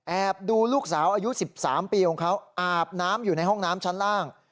ดูลูกสาวอายุ๑๓ปีของเขาอาบน้ำอยู่ในห้องน้ำชั้นล่าง